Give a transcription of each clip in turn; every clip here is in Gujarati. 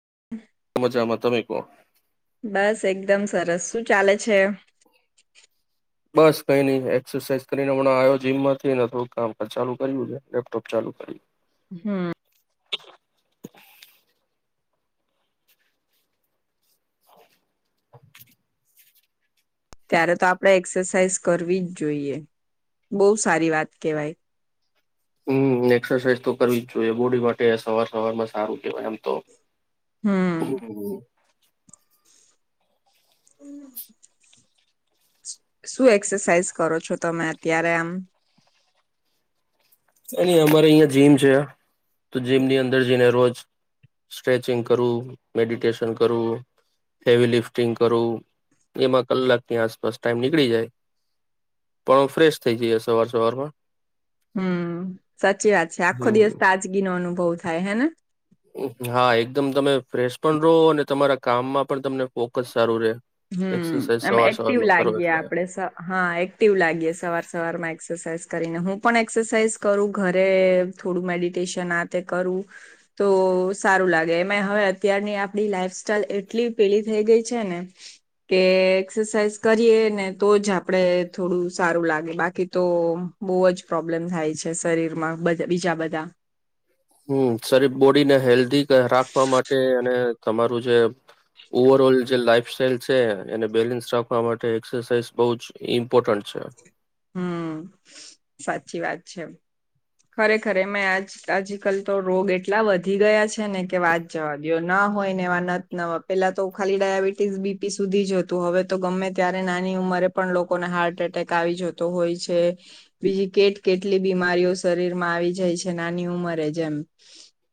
[inaudible] મજામાં, તમે કો? બસ એકદમ સરસ શું ચાલે છે. બસ કઈ નઈ એક્સરસાઇઝ કરીને હમણા આ્યો જીમમાંથી ને થોડું કામકા ચાલુ કર્યું છે લેપટોપ ચાલુ કર્યું. હમ. [inaudible] ત્યારે તો આપડે એક્સરસાઇઝ કરવીજ જોઈએ, બહ સારી વાત કહેવાય. હમ્મ, એક્સરસાઇઝ તો કરવી જ જોઈએ, બોડી માટે સવાર સવારમાં સારું. કેયમ તો હમ હ. હમ્મ. શું એક્સરસાાઈઝ કરો છો, તમે અત્યારે આમ? અમારે અહીં જીમ છે તો જીમની અંદર જઈને રોજ સ્ટ્રેચિંગ કરવું મેડિટેશન કરું હેવી લિફ્ટિંગ કરું એમાં કલાકની આસપાસ ટાઈમ નીકળી જાય પણ ફ્રેશ થઈ જઈએ સવાર સવારમાં. હમ્મ, સાચી વાત છે, આખો હમ દિવસ તાજગીનો અનુભ બહુ થાય હેને હા એકદમ તમે ફ્રેશ પણ રહો અને તમારા કામમાં પણ તમને ફોકસ સારું રહેે. હમમ એક્ટિવ લાગીએ એટલે આપડે હા એક્ટિવ લાગીએે સવાર સવારમાં એક્સસાઈઝ હું પણ એક્સરસાાઈઝ કરું ઘરે થોડું મેડિટેશન આ તે કરું તો સારું લાગે એમાં હવે અત્યારની આપડી લાઈફ સ્ટાઈલ એટલી પેલી થઈ ગઈ છે ને કે એક્સસાાઈઝ કરીએને તોજ આપણેે થોડું સારું લાગે બાકી તો બહુ જ પ્રોબ્લેમ થાય છે. શરીરમાં બીજા બધા હમ્મ શરીર બોડીને હેલ્દી રાખવા માટે અને તમારું જે ઓવરઓલ જે લાઈફ સ્ટાઈલ છે એને બેલેન્સ રાખવા માટે એક્સસાાઈઝ બહુ જ ઇમ્પોર્ટન્ટ છે. હમ્મ સાચી વાત છે. ખરેખર એમાંય આજ આજકાલ તો રોગ એટલા વધી ગયા છે. ને કે વાત જવા દિયો ન હોય ને એવા નથ નવા. પેલા તો ખાલી ડાયાબિટીસ બીપી સુધી જતું હવે તો ગમે ત્યારે નાની ઉંમરે પણ લોકોને હાર્ટ એટેક આવી જતો હોય છે. બીજી કેટલી બીમારીઓ શરીરમાં આવી જાય છે. નાની ઉંમરે જ એમ.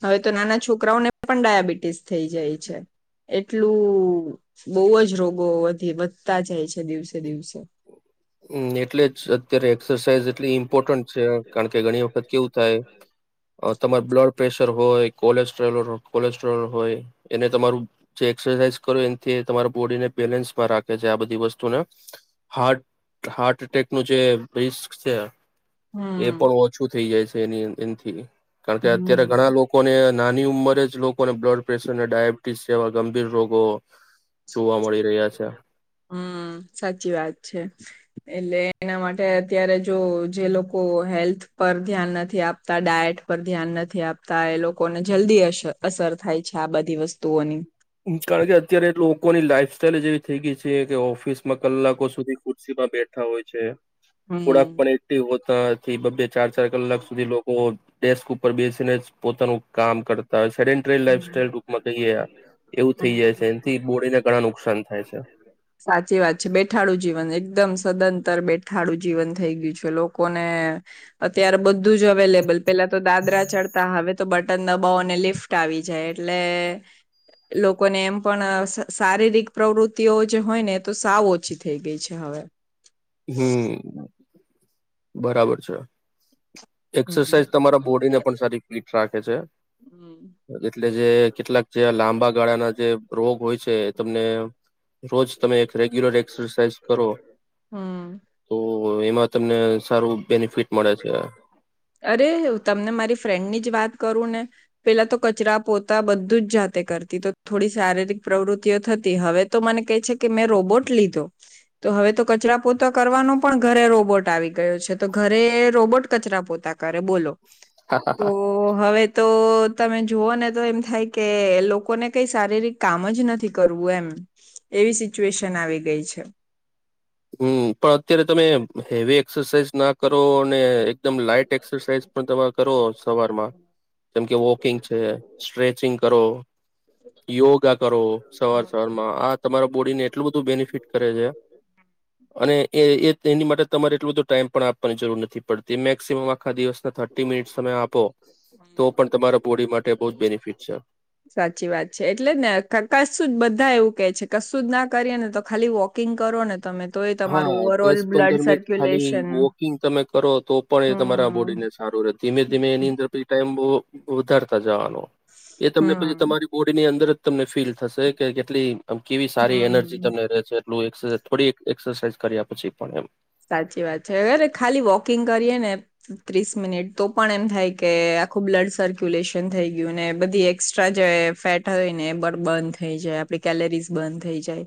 હવે તો નાના છોકરાઓને પણ ડાયાબિટીસ થઈ જાય છે. એટલું બહુ જ રોગો વધી વધતા જાય છે. દિવસે દિવસે. હમ્મ એટલે જ અત્યારે એક્સસાાઈઝ એટલી ઇમ્પોર્ટન્ટ છે કારણ કે ઘણી વખત કેવુ થાય તમારુ અ બ્લડપ્રેશર વધારે હોય, કોલેસ્ટ્રો કોલેસ્ટ્રલ હોય એને તમારું જે એક્સસાઇઝ કરો એનથી એ તમારા બોડીને બેલેન્સમાં રાખે છે આ બધી વસ્તુને હાર્ટ હાર્ટ એટેકનું જે રિસ્ક છે. એ હમ પણ ઓછું થઇ જાય છે. તેની એથી કારણ કે અત્યારે ઘણા હમ લોકોને નાની ઉંમરે જ લોકોને બ્લડ પ્રેશર ને ડાયાબિટીસ જેવા ગંભીર રોગો જોવા મળી રહ્યા છે હમ સાચી વાત છે. એટલે એના માટે અત્યારે જો જે લોકો હેલ્થ પર ધ્યાન નથી આપતા ડાયટ પર ધ્યાન નથી આપતા એ લોકોને જલ્દી અસર થાય છે આ બધી વસ્તુઓની. કારણ કે અત્યારે લોકોની લાઈફ સ્ટાઈલ જ એવી થઈ ગઈ છે કે ઓફિસમાં કલાકો સુધી ખુરશી માં બેઠા હોય છે. થોડાક હમ પણ એકટિવ હોતાજ નથી બે ચાર ચાર કલાક સુધી લોકો ડેસ્ક ઉપર બેસીને જ પોતાનું કામ કરતા હોય છે. સેન ટ્રેડ હમ લાઈફસ્ટાઈલ રૂપમાં કહીએ. એવું થઈ જાય છે એનાથી બોડીને ઘણા નુકસાન થાય છે સાચી વાત છે બેઠાડું જીવન એકદમ સતત તર બેઠાડું જીવન થઈ ગયું છે લોકોને, અત્યારે બધું બધું જ અવેલેબલ પેલા તો દાદરા ચડતા હવે તો બઘુ બટન દબાવોને લિફ્ટ આવી જાય એટલે, લોકોને એમ પણ શારીરિક પ્રવૃતિઓ જે હોય ને તો સાવ ઓછી થઈ ગઈ છે હવે. હમ બરાબર છે. હમ એક્સસાઇઝ તમારા બોડીને પણ સારી ફિટ રાખે છે, હમ એટલે જે કેટલાક જે લાંબા ગાળાના જે રોગ હોય છે એ તમને, રોજ તમે એક રેગ્યુલર એક્સસાઇઝ કરો. હમ. તો એમાં તમને સારું બેનિફિટ મળે છે. અરે તમને મારી ફ્રેન્ડની જ વાત કરું ને પેલા તો કચરાપોતા બધુ જ જાતે કરતી તો થોડી શારીરિક પ્રવૃત્તિઓ થતી હવે તો મને કહે છે. કે મેં રોબૉટ લીધો તો હવે તો કચરાપોતા કરવાનો પણ ઘરે રોબૉટ આવી ગયો છે. તો ઘરે રોબોટ કચરા પોતા તો કરે બોલો તો હવે તો તમે જુઓ ને તો એમ થાય કે એ લોકોને કઈ શારીરિક કામ જ નથી કરવું એમ એવી સિચ્યુએશન આવી ગઈ છે. હમ પણ અત્યારે તમે હેવી એક્સરસાઇઝ ના કર [unintelligible] નો એકદમ લાઈટ એક્સરસાઈઝ પણ તમે કરો સવારમાં જેમકે વોકિંગ છે. સ્ટ્રેચિંગ કરો યોગા કરો સવાર હમ સવારમાં આ તમારા બોડીને એટલું બધું બેનિફિટ કરે છે. અને એ એ એની માટે તમારે એટલો બધો ટાઈમ પણ આપવાની જરૂર નથી પડતી, મેક્સિમમ આખા દિવસના થર્ટી મિનિટ તમે આપો તો પણ તમારા બોડી માટે બહુજ બેનિફિટ છે. સાચી વાત છે એટલે કશુંજ ના કરીએ ને તો ખાલી વોકિંગ કરો ને તમે તો એ હા તમારું આ ઓવર ઓલ દસ બ્લડ પંદર મિનિટ ખાલીઇ સર્ક્યુલેશન વોકિંગ તમે કરો તો પણ એ તમારા હમ બોડીને સા હારું ધીમે ધીમે એની અંદર ફ્રી [unintelligible] ટાઈમો ઉતરતા જવાનું એ તમને પછી હમ તમારી બોડીની અંદર તમને ફીલ થશે કે કેટલી આમ કેવી સારી એનર્જી હમ તમને રે છે. એક થોડી [unintelligible] એક્સરસાઇઝ કર્યા પછી પણ એમ સાચી વાત છે. અરે ખાલી વોકિંગ કરીએને ત્રીસ મિનિટ તો પણ એમ થાય કેએ, આખું બ્લડ સર્ક્યુલેશન થઈ ગયું અને બધી એક્સ્ટ્રા જે ફેટ હોય ને એ બડ બન થઈ જાય આપડી કેલરીઝ બન થઈ જાય.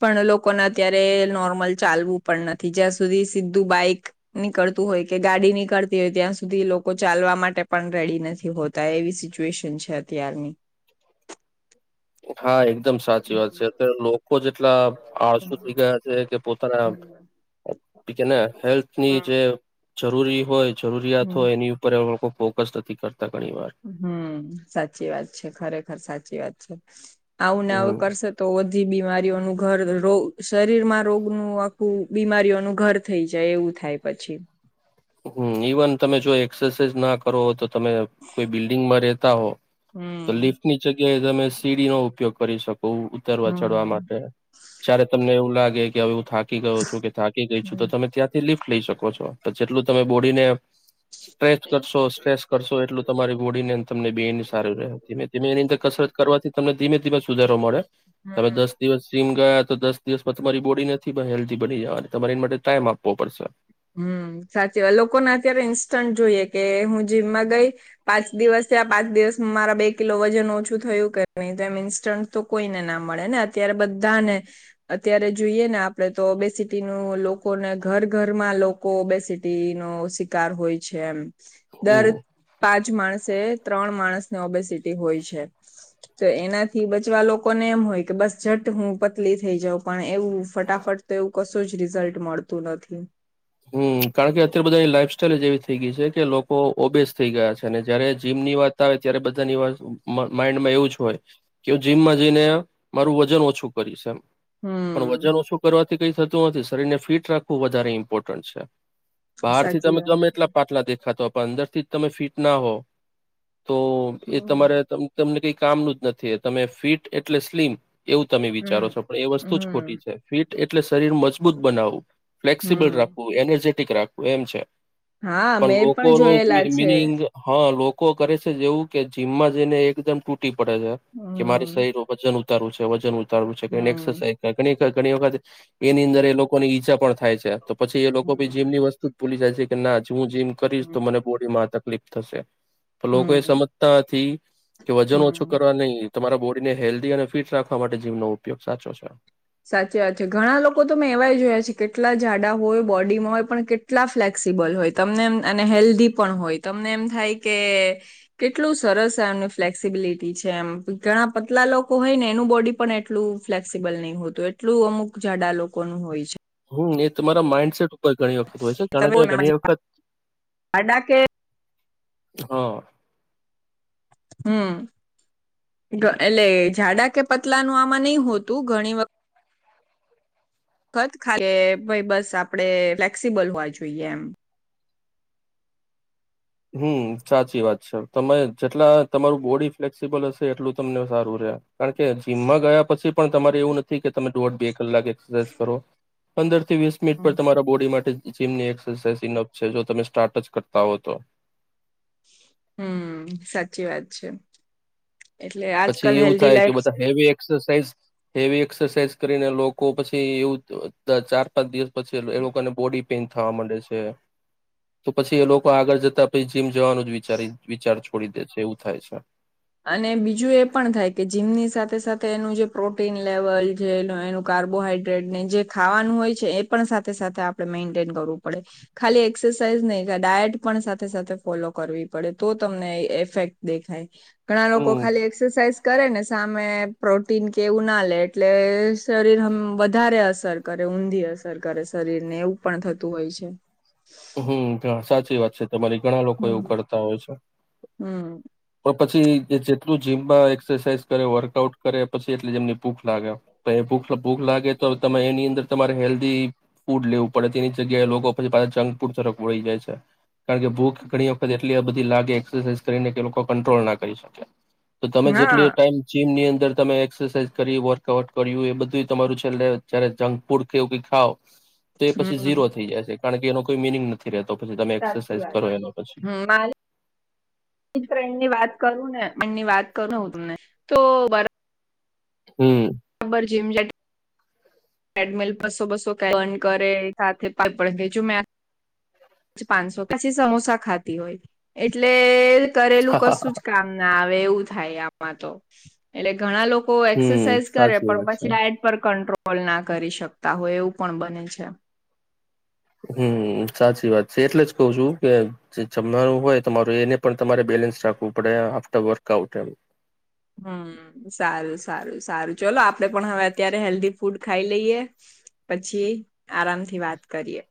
પણ લોકોને અત્યારે નોર્મલ ચાલવું પણ નથી. જ્યાં સુધી સીધું બાઈક નીકળતું હોય કે ગાડી નીકળતી હોય ત્યાં સુધી લોકો ચાલવા માટે પણ રેડી નથી હોતા એવી સિચ્યુએશન છે અત્યારની. ઓ ખાય [unintelligible] દમ સાચી વાત છે અત્યારે લો કો જેટલા આળસુ થઈ ગયા છે કે પોતાના બીજાને હેલ્થની જે જરૂરી હોય જરૂરિયાત હોય એની ઉપર એ [unintelligible] લોકો ફોકસ નથી કર હમ્મ સાચી વાત છે. ખરેખર સા ચી વાત છે. આવુંને આવ હમ કરશે તો અધી [unintelligible] બીમારી બીવાનુ [unintelligible] ઘર રોગ શરીર માં રોગનું આખું બીમારીઓનું ઘર થઈ જાય એવું થાય પછી હમ્મ ઈવન તમે જો એક્સરસાઇઝ ના કરો તો તમે કોઈ બિલ્ડિંગ માં રે તા હો તો હમ. લિફ્ટ નીચે કે કે તમે સીડી નો ઉપયોગ કરી શક બહુ ઉતરવા ચડવા હમ. માટે જય્યારે તમને એવું લાગ કે કે હવે હું થાકી ગયો છો કે થાકી ગઈ છું તો તમે ત્યાંથી લિફ લઈ શકો છો જેટલું તમે બોડીને સ્ટ્રેચ કરશો સ્ટ્રેસ કરશો એટલું તમારી બોડી તમને બે એની સારું રહેી ધીમે એની અંદર કસરત કરવાથી તમને ધીમે ધીમે સુધારો મળે. તમે હમ. દસ દિવસ જિ ગયા તો દસ દિવસમાં તમારી બોડી નથી પણ હેલ્ધી બની જવા અને તમારે એ માટે ટાઈમ આપવો પડશે. હમ સાચી વાત લોકોને અત્યારે ઈન્સ્ટન્ટ જોઈએ કે હું જીમમાં ગઈ પાંચ દિવસ થયા પાંચ દિવસ મારા બે કિલો વજન ઓછું થયું કે નઈ તો એમ ઈન્સ્ટન્ટ તો કોઈને ના મળે ને અત્યારે બધાને અત્યારે જોઈએ ને આપડે તો ઓબેસીટી ન લોકોને ઘર ઘર લોકો ઓબેસિટી નો શિકાર હોય છે એમ હમ દર પાંચ માણસે ત્રણ માણસને ઓબેસિટી હોય છે તો એનાથી બચવા લોકોને એમ હોય કે બસ ઝટ હું પતલી થઈ જાઉં પણ એવું ફટાફટ તો એવું કશું જ રિઝલ્ટ મળતું નથી. હ કારણ કે અત્યારે બધા લાઈફ સ્ટાઈલ એવી થઈ ગઈ છે કે લોકો ઓબેસ થઈ ગયા છે અનેને જયારે જીમની વાત આવે ત્યારે બધાની વાત માઈન્ડમાં એવું જ હોય કે હ જીમમાં જઈને મારું વજન ઓછું કરીશ એમ. પણ હમ વજન ઓછું કરવાથી કઈ થ તુ નથી શરીરને ફિટ રાખવું વધારે ઇમ્પોર્ટન્ટ છે. બહાર થી સાચી તમે વાત ગમે એટલા પાટલા દેખાતા હો. પણ અંદર થી તમે ફીટ ના હો તો એ હમ તમારે તમને કઈ કામનું જ નથી એ તમે ફીટ એટલે સ્લીમ એવું તમે વિચારો હમ છો પણ એ વસ્તુ જ ખોટી હમ છે ફીટ એટલે શરીર મજબૂત બનાવવું ફ્લેક્સિબલ હમ રાખવું એનર્જે ટિક રાખવું એમ છે. હા પણ મેં લોકો નો જોયેલા મિની છે મિનિંગ હા લોકો કરે છે જ એવું કે જીમમાં જઈને એકદમ પડે છે કે મારી હમ શરીરનું વજન ઉતરી ઉતારવું છે વજન વજન ઉતારવું છે કે એની હમ એક્સરસાઇ ઘણી વખત એની અંદર એ લોકોની ઈજા પણ થાય છે તો પછી એ લોકો હમ જેમની વસ્તુ ભૂલી જાય છે કે ના હું જીમ કરીશ તો હમ મને બોડીમાં આ તકલીફ થશે. પણ લોકો એ હમ સમજતા નથી કે વજન ઓછું હમ. કરવા નહી. તમારા બોડીને હેલ્ધી અને ફીટ રાખવા માટે જીમનો ઉપયોગ સાચો છે સાચી વાત છે ઘણા લોકો તો મેં એવાય જોયા છે કેટલા જાડા હોય બોડીમાં હોય પણ કેટલા ફ્લેક્સિબલ હોય તમને એમ અને હેલ્ધી પણ હોય તમને એમ થાય કે કેટલું સરસ એમને ફ્લેક્સિબિલિટી છે એમ ઘણા પતલા લોકો હોય ને એનું બોડી પણ એટલું ફ્લેક્સિબલ નહીં હો તો એટલું અમુક જાડા લોકો નું હોય છે હમ એ તમારા માઈન્ડસેટ [unintelligible] ઘણી વખત હોય છે કારણકે તમે ઘણી વખત આડા કે હા. હમ ગ એટલે જાડા કે પતલાનું આમાં નઈ હોતું ઘણી વખત ખત કે ભાઈ બસ આપડે ફ્લેક્સિબલ હોવા જોઈએ એમ. હમ સાચી વાત છે, તમે જેટલા તમારું બોડી ફ્લેક્સિબલ હશે એટલું તમને સારું રે. કારણ કે જીમમાં ગયા પછી પણ તમારે એવું નથી કે તમે દોઢ બે કલાક એક્સરસાઇઝ કરો, પંદર થી વીસ મિનિટ પર હમ. તમારા બોડી માટે જીમ ની એક્સરસાઇઝ ઇનપ છે જો તમે સ્ટાર્ટ જ કરતા હો તો. હમ સાચી વાત છે. એટલે પછી આજકાલ એવું હેલ્ધી થાય કે લાઈફ બધા હેવી એક એરસાઝ હેવી એક્સરસાઇઝ કરીને લોકો પછી એવું ચાર પાંચ દિવસ પછી એ એ લોકોને બોડી પેન થવા મંડે છે, તો પછી એ લોકો આગળ જતા પછી જીમ જવાનું જ વિચારી વિચારું છુ છોડી દે છે એવું થાય છે. અને બીજું એ પણ થાય કે જીમની સાથે સાથે તેનું જે પ્રોટીન લેવલ જે એનું કાર્બોહાઈડ્રેટ જે ખાવાનું હોય છે, એ પણ સાથે સાથે આપણે મેન્ટેન કરવું પડે. ખાલી એક્સરસાઇઝ નહી ડાયટ પણ સાથે સાથે ફોલો કરવી પડે તો તમને ઈફેક્ટ દેખાય. ઘણા લોકો હમ ખાલી એક્સરસાઇઝ કરે ને સામે પ્રોટીન કે એવું ના લે એટલે શરીર હમ વધારે અસર કરે ઊંધી અસર કરે શરીર ને એવું પણ થતું હોય છે. હમ સાચી વાત. એમાંથી ઘણા લોકો હમ એવું કરતા હોય છે. હમ. પણ પછી જેટલું જીમમાં એક્સરસાઇઝ કરે વર્કઆઉટ કરે પછી એટલે જેમની ભૂખ લાગે બે ભૂખ ત ભૂખ લાગે તો તમે એની અંદર તમારે હેલ્ધી ફૂડ લેવું પડે તેની જગ્યાએ લોકો લોકો પછી પાછા જંક ફૂડ તરફ વળી જાય છે કારણ કે ભૂખ ઘણી વખત એટલી બધી લાગે એક્સાઈઝ કરીને કે લોકો કંટ્રોલ ના કરી શકે તો તમે હા જેટલી ટાઈમ જીમ ની અંદર અંદર તમે એક્સરસાઇઝ કરી વર્કઆઉટ કર્યું એ બધું તમારું છેલ્લે જ્યારે જંક ફૂડ કે એવું કઈ ખાવ તે પછી હમ ઝીરો થઈ જાશે કારણ કે એનો કોઈ મિનિંગ નથી રહેતો. પછી તમે સાચી એક્સરસાઇઝ વાત કરો છે એનો પછી હમ્મ મારી ફ્રેન્ડ ની વાત કરું ને મનની વાત કરુંને હું તમને તો બરા હમ્મ. Gym jet. ટ્રેડમિલ બસો બસો કેલરી બન કરે સાથે પણ [unintelligible] પાંચસો પછી સમોસા ખાતી હોય એટલે કરેલું કશું જ કામ ના આવે. એવું થાય આમાં તો એટલે ઘણા લોકો હમ એક્સરસાઇઝ કરે સાચી પણ વાત છે પછી ડાયટ પર કંટ્રોલ કોલ ના કરી શકતા હોય એવું પણ બને છે. હમ સાચી વાત છે એટલે જ કહ છું કે જે જમવાનું હોય તમારું એને પણ તમારે બેલેન્સ રાખવું પડે આફ્ટર વર્કઆઉટ એમ. હમ સારું સારું સારું ચલો આપડે પણ હવે અત્યારે હેલ્ધી ફૂડ ખાઈ લઈએ પછી આરામથી વાત કરીએ.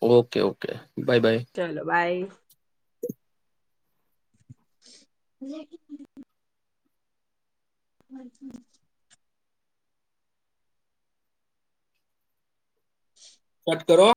ઓકે ઓકે બાય બાય ચલો બાય. [unintelligible] [unintelligible] સટ કરો